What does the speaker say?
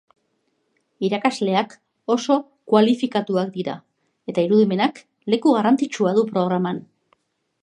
Irakasleak oso kualifikatuak dira eta irudimenak leku garrantzitsua du programan.